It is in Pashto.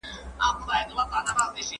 پور د ميني لور دئ.